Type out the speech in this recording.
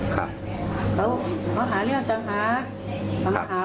ครับก็ถือว่าอย่างไรเอาโทษสิให้ให้